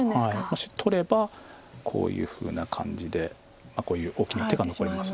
もし取ればこういうふうな感じでこういう大きな手が残ります。